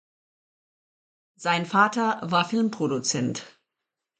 Sein Vater war Filmproduzent.